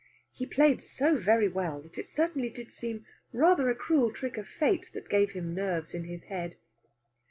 He played so very well that it certainly did seem rather a cruel trick of fate that gave him nerves in his head.